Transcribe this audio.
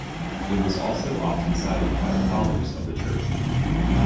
It was also often cited by the Fathers of the Church.